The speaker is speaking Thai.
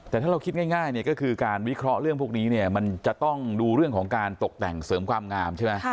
แต่ถ้าเราคิดง่ายเนี่ยก็คือการวิเคราะห์เรื่องพวกนี้เนี่ยมันจะต้องดูเรื่องของการตกแต่งเสริมความงามใช่ไหม